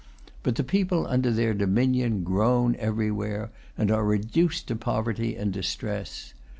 But the people under their dominion groan everywhere, and are reduced to poverty and distress.